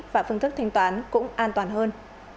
và phương thức thanh toán cũng an toàn hơn